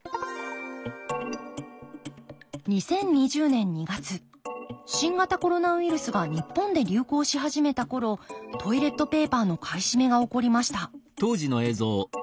２０２０年２月新型コロナウイルスが日本で流行し始めた頃トイレットペーパーの買い占めが起こりました